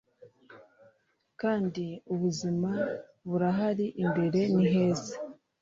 Kandi ubuzima burahari imbere ni heza